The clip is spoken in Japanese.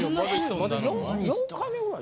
まだ４回目ぐらい？